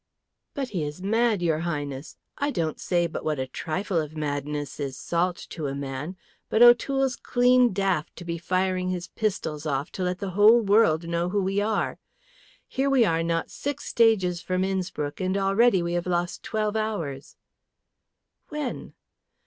"But he is mad, your Highness. I don't say but what a trifle of madness is salt to a man; but O'Toole's clean daft to be firing his pistols off to let the whole world know who we are. Here are we not six stages from Innspruck, and already we have lost twelve hours." "When?"